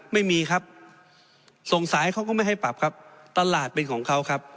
ไม่มีครับส่งสายเขาก็ไม่ให้ปรับครับตลาดเป็นของเขาครับ